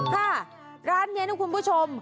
ค่ะร้านนี้นะคุณผู้ชม